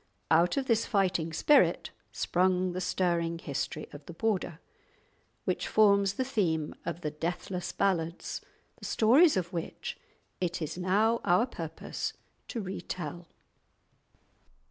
Out of this fighting spirit sprung the stirring history of the Border, which forms the theme of the deathless Ballads, the stories of which it is now our purpose to retell.